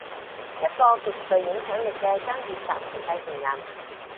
一個極具影響力嘅商業集團繼承人